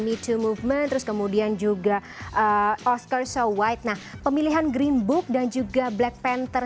me to movement terus kemudian juga oscar so white nah pemilihan green book dan juga black panther